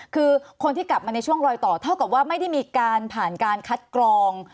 คือคนที่กลับมาในช่วงรอยต่อเท่ากับว่าไม่ได้มีการผ่านการคัดกรอง